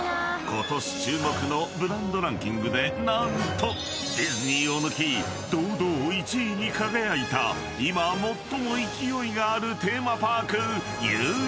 ［ことし注目のブランドランキングで何とディズニーを抜き堂々１位に輝いた今最も勢いがあるテーマパークＵＳＪ］